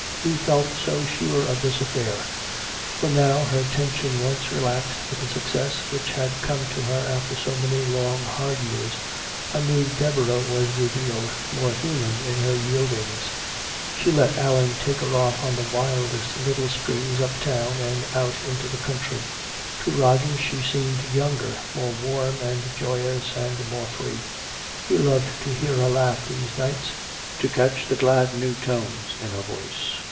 He felt so sure of this affair. For now, her tension once relaxed with the success which had come to her after so many long hard years, a new Deborah was revealed, more human in her yieldings. She let Allan take her off on the wildest little sprees uptown and out into the country. To Roger she seemed younger, more warm and joyous and more free. He loved to hear her laugh these nights, to catch the glad new tones in her voice.